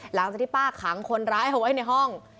หลังจากที่ป้าขังคนร้ายเอาไว้ในห้อง